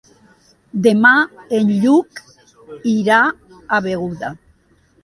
Demà en Lluc irà a Beuda.